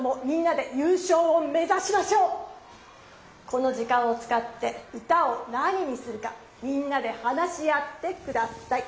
この時間をつかって歌を何にするかみんなで話し合って下さい。